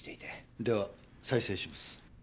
では再生します。